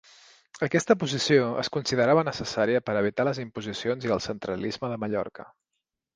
Aquesta posició es considerava necessària per a evitar les imposicions i el centralisme de Mallorca.